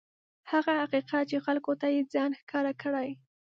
هغه حقیقت چې خلکو ته یې ځان ښکاره کړی.